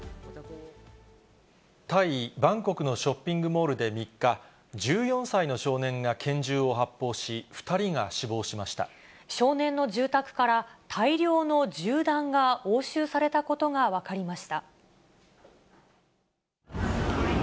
タイ・バンコクのショッピングモールで３日、１４歳の少年が拳銃を発砲し、少年の住宅から、大量の銃弾が押収されたことが分かりました。